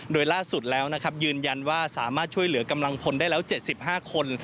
โดยล่าสุดแล้วนะครับยืนยันว่าสามารถช่วยเหลือกำลังพลได้แล้ว๗๕คน